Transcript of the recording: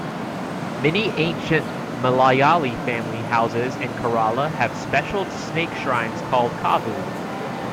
Many ancient Malayali family houses in Kerala have special snake shrines called "Kavu".